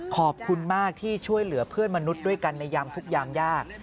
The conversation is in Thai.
ขอบคุณมากที่ช่วยเหลือเพื่อนมนุษย์ด้วยกันในยามทุกยามยาก